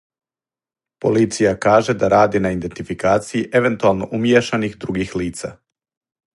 Полиција каже да ради на идентификацији евентуално умијешаних других лица.